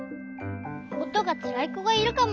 「おとがつらいこがいるかも。